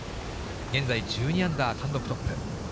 現在１２アンダー、単独トップ。